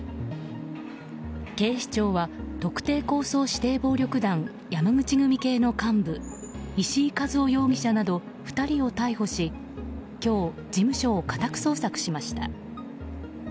警視庁は、特定抗争指定暴力団山口組系の幹部石井和夫容疑者など２人を逮捕し今日、事務所を家宅捜索しました。